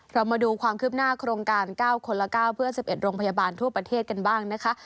เรามาดูความคืบหน้าโครงการ๙คนละ๙เพื่อ๑๑โรงพยาบาลทั่วประเทศกันบ้างนะคะ